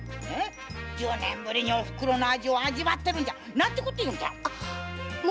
十年ぶりにおふくろの味を味わってるのに何てこと言う！